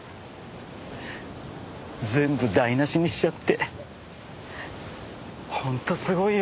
全部台無しにしちゃって本当すごいよ。